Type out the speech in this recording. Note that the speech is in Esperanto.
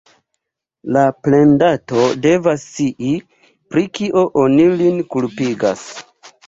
La plendato devas scii, pri kio oni lin kulpigas.